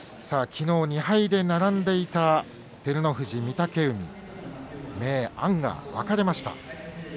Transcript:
さあきのう２敗で並んでいた照ノ富士と御嶽海、明暗が分かれました。